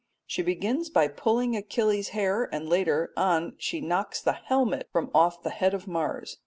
She begins by pulling Achilles' hair, and later on she knocks the helmet from off the head of Mars.